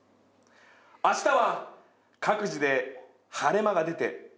「明日は各地で晴れ間が出て」